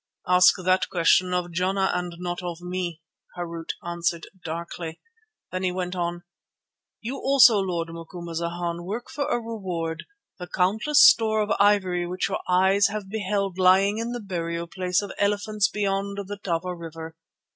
"Ask that question of Jana and not of me," Harût answered darkly. Then he went on: "You also, Lord Macumazana, work for a reward, the countless store of ivory which your eyes have beheld lying in the burial place of elephants beyond the Tava River.